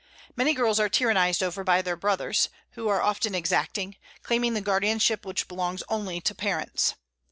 Many girls are tyrannized over by their brothers, who are often exacting, claiming the guardianship which belongs only to parents.